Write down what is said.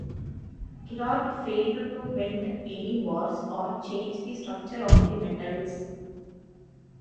Girard failed to bend any bars or change the structure of the metals.